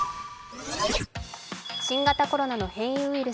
新型コロナの変異ウイル